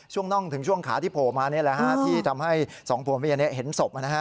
ช่วงน่องถึงช่วงขาที่โผล่มานี่แหละฮะที่ทำให้สองผู้ให้เห็นศพอ่ะนะฮะ